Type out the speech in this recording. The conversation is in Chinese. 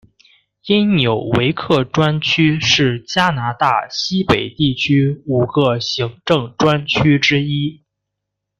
因纽维克专区是加拿大西北地区五个行政专区之一。